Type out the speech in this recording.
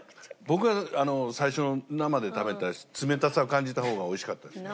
僕は最初の生で食べたやつ冷たさを感じた方が美味しかったです。